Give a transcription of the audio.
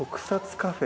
カフェ。